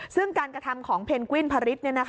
ซึ่งการกระทำของเพนกวิ้นพริต